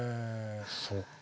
そっか。